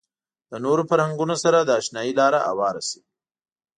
له نورو فرهنګونو سره د اشنايي لاره هواره شي.